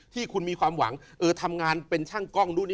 ที่มีความหวังดูที่ว่าเองทำงานเป็นช่างกล้อง